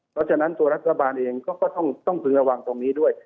เพราะฉะนั้นตัวรัฐบาลเองก็ต้องพึงระวังตรงนี้ด้วย